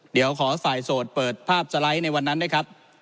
เดี๋ยวขอฝ่ายโสดเปิดภาพสไลด์ในวันนั้นด้วยครับ